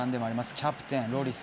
キャプテン、ロリス